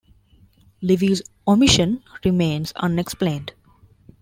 Livy's omission remains unexplained.